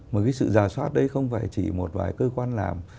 mà cái sự rà soát đấy không phải chỉ một vài cơ quan làm